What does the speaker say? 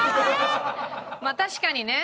まあ確かにね。